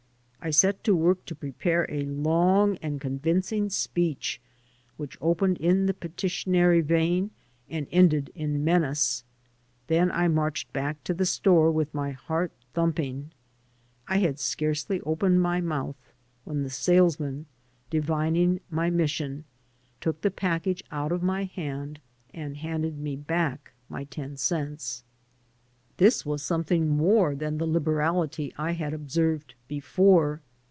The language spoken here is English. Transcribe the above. I set to WOTk to prepare a long and convincing speech which opened in the petitionary vein and ended in menace. Then I marched back to the store with my heart thumping. I had scarcely opened my mouth when the salesman, divining my 105 AN AMERICAN IN THE MAKING tniaaannj took the paduge <Nit of my hand and handed me hmck my ten oenta. This was something miHne than the liberality I had observed before.